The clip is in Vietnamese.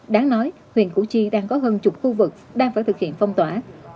đáng nói huyện củ chi đang có hơn chục khu vực đang phải thực hiện phong tỏa